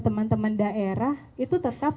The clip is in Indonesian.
teman teman daerah itu tetap